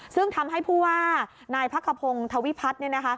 ซึ่งทำให้ผู้ว่านายพักขพงศ์ธวิพัฒน์